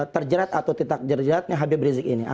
terjerat atau tidak jeratnya habib rizik ini